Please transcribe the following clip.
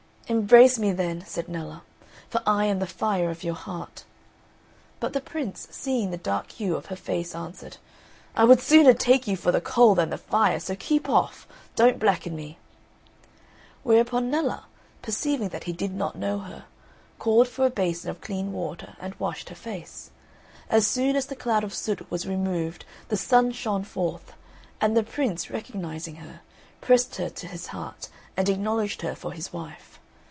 "Embrace me then," said Nella, "for I am the fire of your heart." But the Prince seeing the dark hue of her face answered, "I would sooner take you for the coal than the fire, so keep off don't blacken me." Whereupon Nella, perceiving that he did not know her, called for a basin of clean water and washed her face. As soon as the cloud of soot was removed the sun shone forth; and the Prince, recognising her, pressed her to his heart and acknowledged her for his wife.